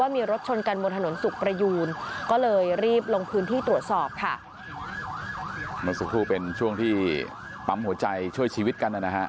เมื่อสักครู่เป็นช่วงที่ปั๊มหัวใจช่วยชีวิตกันนะฮะ